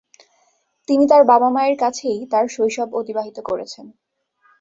তিনি তাঁর বাবা-মায়ের কাছেই তাঁর শৈশব অতিবাহিত করেছেন।